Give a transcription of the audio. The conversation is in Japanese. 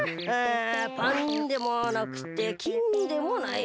パンでもなくてキンでもない。